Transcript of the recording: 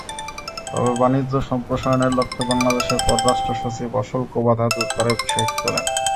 তবে বাণিজ্য সম্প্রসারণের লক্ষ্যে বাংলাদেশের পররাষ্ট্রসচিব অশুল্ক বাধা দূর করার বিষয়টি তোলেন।